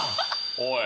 おい。